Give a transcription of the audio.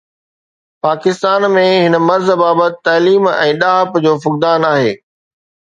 پاڪستان ۾ هن مرض بابت تعليم ۽ ڏاهپ جو فقدان آهي